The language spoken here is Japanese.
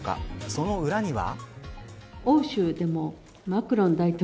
その裏には。